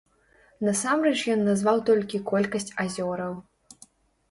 Насамрэч ён назваў толькі колькасць азёраў.